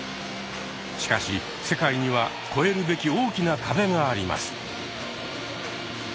しかし世界には越えるべき大きな壁があります。